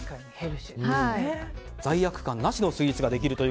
罪悪感なしのスイーツができると。